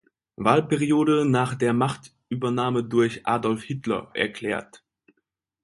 Wahlperiode „nach der Machtübernahme durch Adolf Hitler“ erklärt.